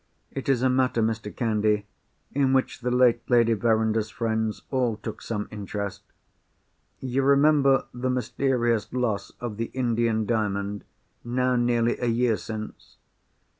"It is a matter, Mr. Candy, in which the late Lady Verinder's friends all took some interest. You remember the mysterious loss of the Indian Diamond, now nearly a year since?